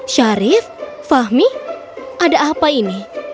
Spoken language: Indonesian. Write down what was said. syarif fahmi ada apa ini